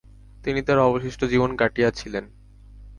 তিনি তাঁর অবশিষ্ট জীবন কাটিয়েছিলেন।